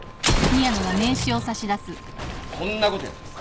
こんなことやってます。